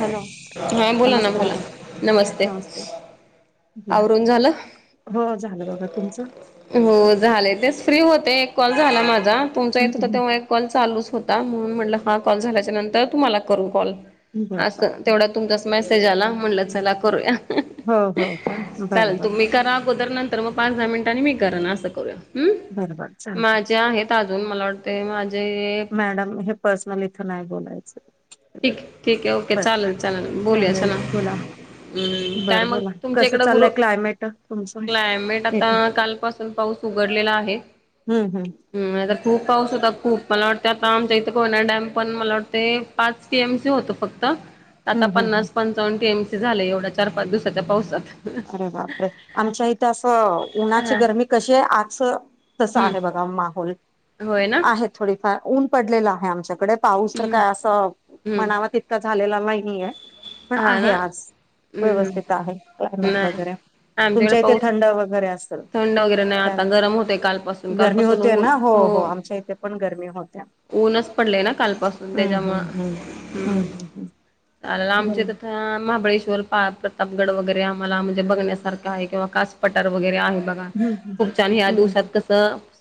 Hello हां बोला ना नमस्ते बोला, मॅडम नमस्ते. आवरून झालं हो झालं बघा, तुमचं? हो झाले तेच फ्री होते, एक कॉल झाला माझा. तुमचा येत होता हम्म तेव्हा एक कॉल चालूच होता. म्हणून म्हटलं हा कॉल झाल्याच्यानंतर तुम्हाला करू कॉल. बर असं बर तेवढ्यात तुमचाच मेसेज आला, म्हणलं चला करूया. हो हो का [unintelligible] बर चाल बर तुम्ही करा अगोदर नं तर मग पाच दहा मिनिटांनी मी करन असं करूया. हं बर बर चालत माझे आहेत अजून मला वाटते माझे मॅडम हे पर्सनल इथं नाही बोलायचं. ठीक ठीक हे ओके बर चालंल चालंल बोलूया चालेल चला. बोला हम्म. काय बर मग बोला तुमच्या कसं इकड चाललंय गुरु क्लायमेट तुमचं क्लायमेट आता येत कालपासून तून पाऊस उघडलेला आहे. हम्म हम्म. हं आता खूप पाऊस होता खूप, मला वाटतंय आता आमच्या इथे कोयना डॅम पण मला वाटतंय पाच पीएमसी होतं फक्त, आता आता हम्म हम्म हम् पन्नास पण दोन टी एम सी झालंय एवढ्या चार पाच दिवसाच्या पावसात. अरे बापरे, आमच्या इथे असं उन्हाची हा गरमी कशी आहे आजचं तस हम्म आहे बघा माहोल होय ना आहे थोडीफार ऊन पडलेला आहे आमच्याकडे. पाऊस तर हम्म काय असं हम्म म्हणावा तितका झालेला नाहीये. पण हा ना आहे आज हम्म व्यवस्थित हम्म आहे क्लायमेट नाही वगैरे आमच्याकडे तुमच्या इथे पाऊस थंड वगैरे अस थंड वगैरे नाही आता, गरम होतंय कालपासून. गरमी कालपासून होते ऊर ना हो आमच्या इथे पण गरमी होत्या ऊनच पडलेय ना कालपासून त्याच्यामुळ हम्म. आला आमच्या बोला तिथं महाबळेश्वर प्रतापगड वगैरे आम्हाला म्हणजे बघण्यासारखं आहे किंवा कास पटार वगैरे आहे. बघा हम्म हम्म खूप छान ह्या हम्म दिवसात हम्म कस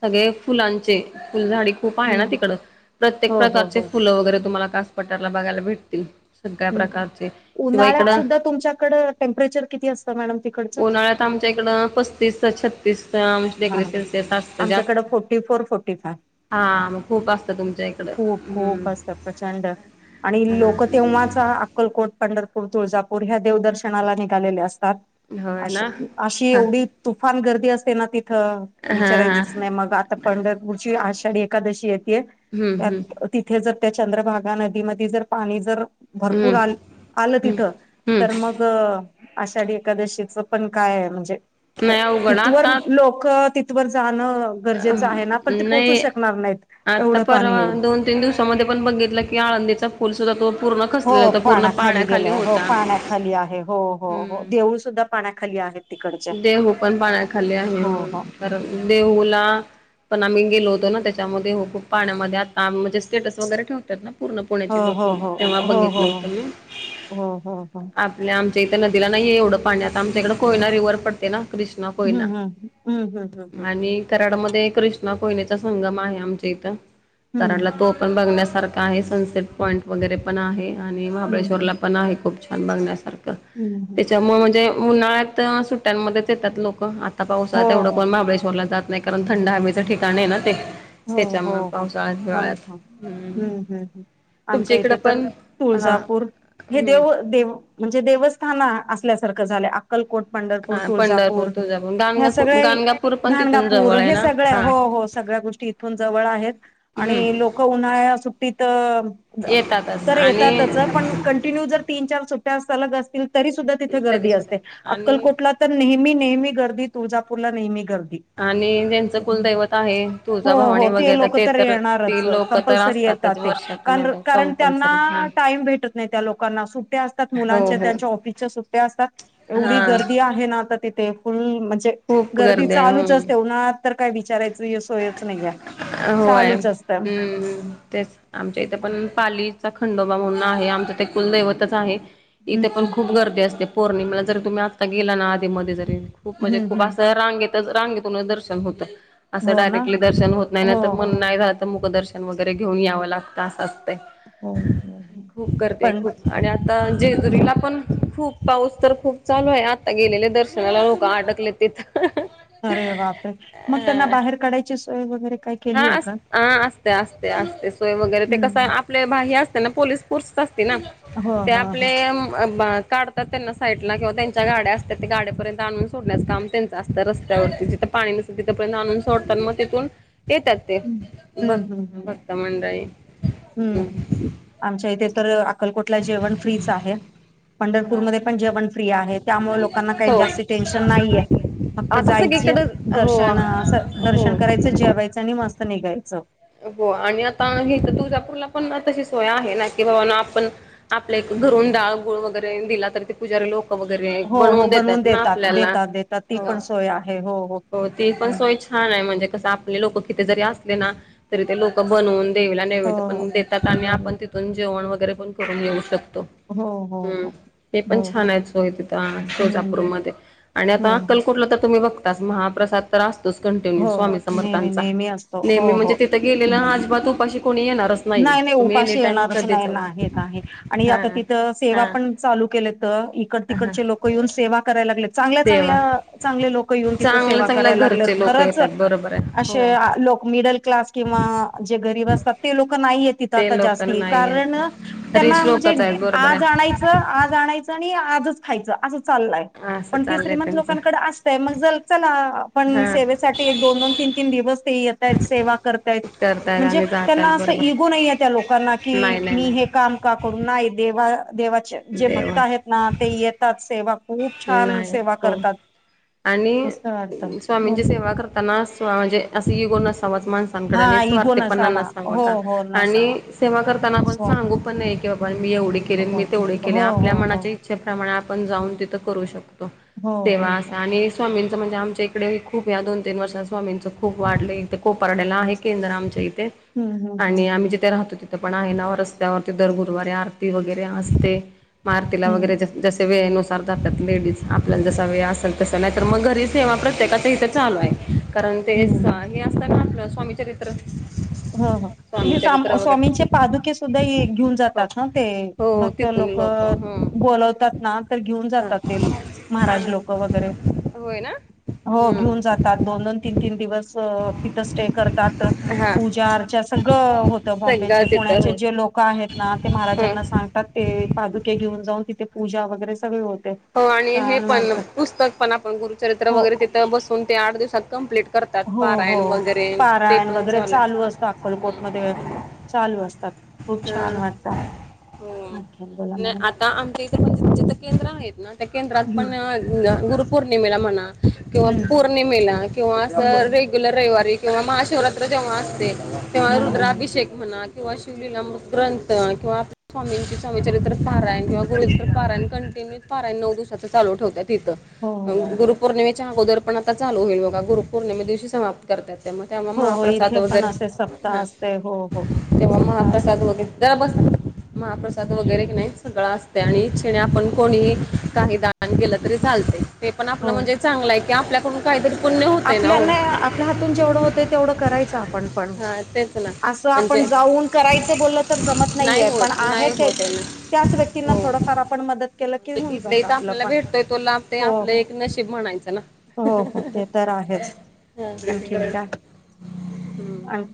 सगळे फुलांचे फुलझाडी. खूप आहे ना हम्म तिकडं, प्रत्येक हो हो प्रकारचे हो फुलं वगैरे तुम्हाला कास पटारला बघायला भेटतील. सगळ्या अं प्रकारचे शिवाय उन्हाळ्यात इकडं सुद्धा तुमच्याकडं टेम्परेचर किती असतं मॅडम तिकडचं? उन्हाळ्यात आमच्या इकडं पस्तीस छ [unintelligible] हा डीग्री हा सेल्सिअस असतं जास् आमच्याकडे फोर्टी फोर फोर्टी फाय हा मग खूप असतं तुमच्या इकडं, खूप हम्म. खूप असतं प्रचंड आणि लोकं तेव्हाचा अक्कलकोट, पंढरपूर, तुळजापूर ह्या देवदर्शनाला निघालेले असतात. हा होय अशी ना अशी हा एवढी तुफान गर्दी असते ना तिथं हा हा विचारायचंच नाही मग, आता पंढरपूरची आषाढी एकादशी येतेय. हम्म हम्म त्यात तिथे जर त्या चंद्रभागा नदीमध्ये जर पाणी जर भरपूर हम्म आ आलं तिथं, हम्म तर मग आषाढी एकादशीच पण काय आहे म्हणजे नाही अवघड तिथंवर आता लोकं तिथंवर जाणं गरजेचं आहे ना, पण ते पोचू नाही शकणार नाहीत आता एवढं पाणी परवा येईल. दोन तीन दिवसामध्ये पण बघितलं की आळंदीचा पुल सुद्धा तो पूर्ण खसलेला होता, पूर्ण पाण्याखाली होता. खाली आहे हो हो हो. हम्म देऊळ सुद्धा पाण्याखाली आहे. देहू पण पाण्याखाली आहे. हो परत देहूला पण आम्ही गेलो होतो ना त्याच्यामध्ये हो खूप पाण्यामध्ये आता म्हणजे स्टेटस वगैरे ठेवतात ना. पूर्ण हो पुण्याचे हो लोकल हो तेव्हा हो हो बघितलं होतं मी. हो हो हो हो आ आमच्या इथं इथ नदीला नाहीये एवढं पाणी आता आमच्या इकडं कोयना रिवर्ह पडते ना क्रश ना हम्म कोयना हम्म हम्म हम्म आणि कराडामध्ये कृष्णा कोयनेचा संगम आहे आमच्या इथं. कराडला हम्म तो पण बघण्यासारखं आहे. सनसेट पॉईंट वगैरे पण आहे आणि हम्म महाबळेश्वरला पण आहे खूप छान. बघण्यासारखं हम्म हम्म त्याच्यामुळे म्हणजे उन्हाळ्यात सुट्ट्यांमध्येच येतात लोक. आत आता पाऊस हो आहे तेवढं हो कोण महाबळेश्वरला जात नाही, कारण थंड हवेवीचं ठिकाण आहे ना ते. हो हो त्याच्यामुळे हो पावसाळ्यात हा हिवाळ्यात हो. हम्म हम्म हम्म. तुमच्या आमच्या इकडं इथे तर पण हा तुळजापूर हे हम्म. देव देव म्हणजे देवस्थान असल्यासारखं झालंय. आ अक्कलकोट, पंढरपूर, ‌ हा पंढरपूर तुळजापूर तुळजापूर ह्या गाणगापूर सगळ्या गाणगापूर पण तिथून गाणगापूर जवळ आहे हे ना सगळे हा. हो हो सगळ्या गोष्टी इथून जवळ आहेत हम्म आणि लोकं उन्हाळ्यात सुट्टीत येतातच तर आणि येतातच, पण कंटिन्यू जर तीन चार सुट्या सलग असतील, तरी सुद्धा तिथे तरी गर्दी सुद्धा असते. आणि अक्कलकोटला तर नेहमी नेहमी गर्दी तुळजापूरला नेहमी गर्दी. आणि ज्यांचं कुलदैवत आहे हो तुळजा हो भावानी ते वगैरे लोक तर येणारच ती लोक तर कंपल्सरी येतात असतातच ते. वर्षातून एकदा कार-कारण कंपल्सरी हा त्यांना टाईम भेटत नाही त्या लोकांना, सुट्ट्या असतात हो मुलांच्या, हो त्यांच्या ऑफिसच्या सुट्ट्या असतात. हा एवढी गर्दी आहे ना आता तिथे फुल म्हणजे खूप गर्दी आहे चालूच हो असते. उन्हाळ्यात तर काय विचारयचं हे सो होय, हम्म हम्म तेच. आमच्या इथे पण पालीचा खंडोबा म्हणून आहे, आमचं ते कुलदैवतच आहे. इथे पण खूप हम्म गर्दी असते पौर्णिमेला जरी तुम्ही आत्ता गेला ना आधीमध्ये जरी. खूप म्हणजे हम्म खूप हम्म असं रांगेतच रांगेतूनच दर्शन होतं. असं हो ना डायरेक्टली दर्शन होत नाही, हो नाहीतर हो पुन्हाही राहतं मुख दर्शन वगैरे घेऊन यावं लागतं अस अस हो हो [unintelligible] खूप गर्दी आहे पण खूप. आणि आता जेजुरीला पण खूप पाऊस तर खूप चालू आहे, आता गेलेले दर्शनाला लोक अडकलेत. तिथं. अरे बापरे, ‌मग त्यांना हा बाहेर काढायची सोय वगैरे. काय हा केली आहे का असं हा असते असते असते सोय वगैरे. ते कसं आहे हम्म आप- प्ले भाग हे असतील ना, पोलीस फोर्स असते ना, हो ते हो हो आपले काढ तर त्यांना साईडला किंवा त्यांच्या गाड्या असतात, ते गाड्यापर्यंत आणून सोडण्याचं काम त्यांचं असतंय रस्त्यावरती. जिथं पाणी तिथंपर्यंत आणून सोडता आणि मग तिथून येतात ते हम्म हम्म हम्म भ-भक्त मंडळी. हम्म हम्म. आमच्या इथे तर अक्कलकोटला जेवण फ्रीच आहे. पंढरपूरमध्ये पण जेवण फ्री आहे, त्यामुळे लोकांना काही हो जास्त टेन्शन नाहीये. फक्त आता जायची सगळीकडे हो दर्शन असं दर्शन हो करायचं, जेवायचं आणि मस्त निघायचं. हो आणि आता इथं तर तुळजापूरला पण तशी सोय आहे ना, की बाबानो आपण आपल्या एक घरून डाळ, गुळ वगैरे दिला तर ते पुजारी लोक क वगैरे हो हो बनवून देतात ना आपल्याला देतात देतात ती हो, पण सोय आहे हो ती पण सोय हा ना म्हणजे कसं आपले लोकं किती जरी असली ना, तरी ते लोक बनवून देवीला हो नैवेद्य हो. पण देतात आणि पूजा आपण तिथून जेवण वगैरे पण करून येऊ शकतो. हो हो हम्म हो. ते पण हो छान आहे सोयी तिथं हम्म तुळजापूरमध्ये. आणि आता हो. अक्कलकोटला तर तुम्ही बघ महाप्रसाद तर असतोच कंटिन्यू हो स्वामी नेहमी समर्थांचा. नेहमी असतो हो नेहमी म्हणजे हो. तिथं गेलेला अजिबात उपाशी कोणी येणारच नाहीये नाही नाही तुम्ही एनी उपाशी टाइम येणारच कधी नाही जावा नाही नाही आणि हा आता तिथं सेवा हा पण चालू केल्यात. इकडं हा तिकडचे लोक येऊन सेवा कराय लागलेत. चांगल्या तेव्हा चांगल्या चांगले लोक येऊन तिथं चांगलं सेवा चांगल्या करायला घरचे लागल्यात लोक खरंच येतात बरोबर आहे असे हो लोक मिडल क्लास किंवा जे गरीब असतात ते लोक नाही येत. तिथं आता ते लोक जास्ती आहे, ‌ नाही कारण आहेत त्यांना रिच म्हणजे लोकच आहेत बरोबर आज आहे आणायचं ज आज आणायच आणि आजच खायचं असं चाललंय असं पण ति चाललंय श्रीमंत त्यांचं लोकांकडे अस तर मग चला आपण हा सेवेसाठी एक दोन दोन तीन तीन दिवस ते येतायत सेवा करत्यात करतायत म्हणजे आणि त्यांना जातात असं बरोबर इगो नाही त्या लोकांना की नाही नाही मी हे नाही काम का करु नाही देवा देवा जे भक्त देवा आहेत ना ते येतात सेवा खूप छान नाही सेवा हो करतात आणि मस्त वाटतं बोला स्वामींची सेवा करत त्यांना असं म्हणजे असं इगो नसावाच हा माणसा [unintelligible] इगो स्वार्थीपणा नसावा नसां हो बगा हो आणि नसावा सेवा करताना आपण निस्वार्थ सांगू पण नाही कि मी एवढे हो केले न मी तेवढे केले हो हो आपल्या हो मनाचे इच्छेप्रमाणे आपण जाऊन तिथं करू शकतो. हो हो सेवा असं हो आणि स्वामींचं म्हणजे आमच्या इकडे खूप या दोन तीन वर्षात स्वामींचं खूप वाढलंय कोपरड्याला आहे. केंद्र आमच्या इथे हम्म हम्म आणि हम्म आम्ही जिथे राहतो ति तिथं पण आहे ना रस्त्यावरती दर गुरुवारी आरती वगैरे असते. मग आरतीला हम्म वगैरे जा जसे वेळेनुसार जातात लेडीज आपल्याला जसा वेळ असेल तसं. नाही तर मग घरीच सेवा प्रत्येकाचं इथे चालू आहे. कारण ते हम्म हे असतं ना आपलं स्वामीचरित्र. ह ह हे साम स्वामींचे पादुके सुद्धा घेऊन हो जातात ना ते. हो भक्त तिथून लोक ह बोलवतात ना तर घेऊन जातात ते महाराज लोक वगैरे. होय ना? हो घेऊन हम्म जातात. दोन दोन तीन तीन दिवस तिथं स्टे करतात. हा पूजा अर्चा सगळं होतं बॉम्बेचे सगळं तिथं पुण्याचे हो जे लोक आहेत ना ते ह महाराजांना सांगतात ते पादुके घेऊन जाऊन तिथे पूजा वगैरे सगळे होत. हो आणि हे पण पुस्तक पण आपण गुरुचरित्र हो वगैरे तिथं बसून ते आठ दिवसात कम्प्लीट करतात हो हो पारायण वगैरे ते पारायण पण वगैरे चालू हाय. असतं अक्कलकोटमध्ये चालू असतात. खूप छान आहे. वाटत हो आणखीन बोला नाही मॅडम. आता आमच्या इथे पण जिथे केंद्र आहेत ना, त्या केंद्रात हम्म पण गुरुपौर्णिमेला म्हणा किंवा हम्म पौर्णिमेला किंवा अस हम्म रेग्यु गेल्या रविवारी किंवा महाशिवरात्री जेव्हा असते तेव्हा हा रुद्राभिषेक म्हणा किंवा श्री निलम ग्रंथ किंवा स्वामींची स्वामी चरित्र पारायण किंवा गुरुचरीत्र पारायण कंटिन्यूस पारायण नऊ दिवसाच चालू ठेवतात तिथं. हो हो गुरुपौर्णिमेच्या अगोदर पण आता चालू होईल बघा. गुरुपौर्णिमे दिवशी समाप्त करतात. ते मग तेव्हा हो हो महाप्रसाद इथे पण वगैरे असे सप्ताह असते हो हो तेव्हा मग सप्ताह असते ओके जरा बस महाप्रसाद वगैरे की नाही सगळं असतंय आणि आपण कोणीही काही दान केलं तरी चालतंय. ते पण आपलं म्हणजे चांगल आहे. की आपल्याकडून काहीतरी पुण्य होतंय ना हो आपल्यांना आपल्या हातून जेवढं होतं तेवढं करायचं आपण पण. हा तेच ना असं आपण म्हणजे जाऊन करायच बोललं तर जमत नाहीये. नाही पण होत आहे नाही ते होत आहे ना त्याच व्यक्तींना हो थोडंफार आपण मदत केलं की म्हणजे होऊन इथल्या जात इथं आपलं आपल्याला पण भेटतोय तो लाभ ते हो. आपलं एक नशीब म्हणायचं ना? हो हो ते तर आहेच. आणखीन काय? हम्म. आण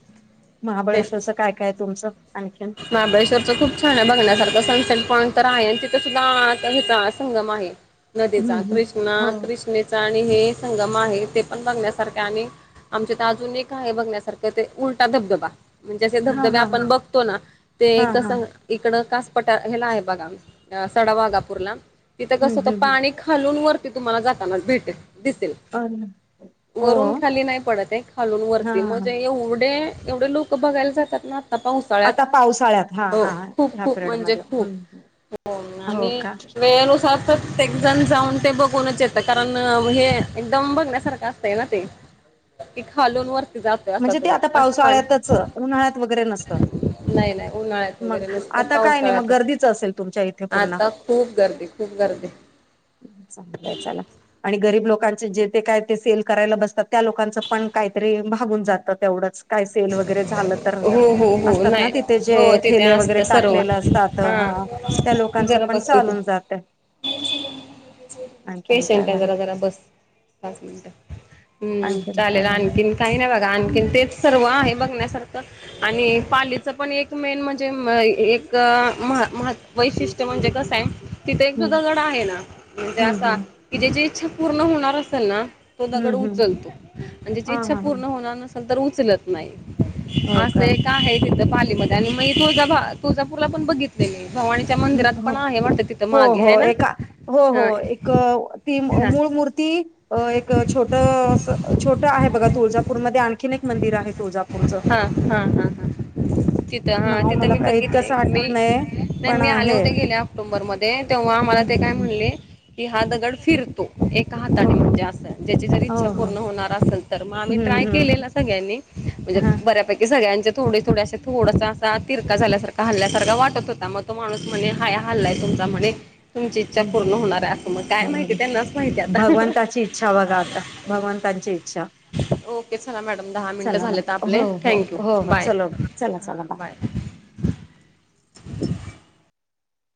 महाबळेश्वरच काय काय तुमचं आणखीन? महाबळेश्वरच खूप छान आहे बघण्यासारखं सनसेट पॉईंट तर आहे आणि तिथे सुद्धा आ नदिचा संगम आहे. हम्म नदीचा कृष्णा हम्म हो कृष्णेचा आणि हे संगम आहे ते पण बघण्या सारखे हाय आणि आमच्यात अजून एक आहे बघण्यासारखं ते उलटा धबधबा. म्हणजेे असे हा धबधबे हा आपण बघतो ना, ते हा कस हा इकडं कआसपटआर हेला आहे बघा. अ सडावाघापूरला तिथं कसं हम्म होत हम्म पाणी खालून वरतीच तुम्हाला जाताना भेटेल दिसेल. अ हो वरून खाली नाही पडत आहे, खालून हा वरती. हा म्हणजे एवढे एवढे लोक तो बघायला जातात ना आता पावसाळ्यात, आता पावसाळ्यात हा हो हा खूप ह्या खूप म्हणजे पिरियडमध्ये खूप हम्म हो हो आणि का वेळेनुसार प्रत्येक जण जाऊन ते बघूनच येतं कारण अ हे एकदम बघण्यासारखं असतय ना ते. ती खालून वरती जातो असतो असं पण उन्हाळात वगैरे नसतं. नाही नाही उन्हाळ्यात मग वगैरे नसतं, आता काय नाही मग पावसाळ्यात गर्दीच असेल तुमच्या इथे असतं. पुन्हा आता खूप गर्दी खूप गर्दी चांगलंय चला. [unintelligible] आणि गरीब लोकांचे जे तेे काय ते सेल करायला बसतात त्या लोकांचं पण काहीतरी भागुन जातं तेवढच. काय सेल वगैरे झालं तर, हो हो हो असतात ना नाही तिथे हो जे तिथे ठेले वगैरे असतं सर्व टाकलेले असतात. तर हा त्या लोकांच जरा पण बसली तू चालून जातं. पेशंट आहे जरा जरा बस पाच मिनट. हम्म आणखीन काय चालेल म्हणा आणखीन काही नाही बघा आणखीन तेच सर्व आहे बघण्यासारखं आणि पालीचं पण एक मेन म्हणजे म एक महा महा वैशिष्ट्य म्हणजे कसं आहे तिथे एक जो हम्म दगड आहे ना म्हणजे हम्म असा हम्म की जेची इच्छा पूर्ण होणार असेल ना तो दगड हम्म हम्म उचलतो. पण ज्याची हा इच्छा हा हा पूर्ण होणार नसेल तर उचलत नाही हो असं का एक आहे तित पालीम आणि मग ही तुळजाभव तुळजापुरला पण बघितले मी भवानी त्या मंदिरात हो पण आहे वाटते तिथे मागे आहे ना हा. क व अ ती हा मूळ मूर्ती अ एक छोट अस छोट आहे बघा तुळजापूरमध्ये आणखीन एक मंदिर आहे तुळजापूरचं. हा हा हा तिथं हा नाव तिथं मला मी काय बघितले इतकंसं मी आठवत नाही नाही पण मी आले आहे होते गेल्याऑक्टोबरमध्ये तेव्हा मला ते काय म्हणले की हा दगड फिर- तो एका हो हाताने म्हणजे असं ज्याची जर हो इच्छा हो पूर्ण होणार असेल, तर मग आम्ही ट्राय हम्म हम्म केलेला सगळ्यांनी. म्हणजे हा बऱ्यापैकी सगळ्यांचे थोडे थोडे असे थोडसा असा तिरका झाल्यासारख हल्ल्यासारखा वाटत होता मग तो माणूस म्हणे हाया हललाय तुमचा म्हणे, तुमची इच्छा पूर्ण होणार आहे. अस हो भगवंताची इच्छा बघा, आता भगवंताची इच्छा. ओके चला मॅडम दहा मिनटं चला झालेत हो आपले हो थँक्यू हो हो बाय चलो चला हां चला बाय.